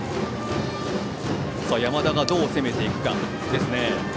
山田がどう攻めていくかですね。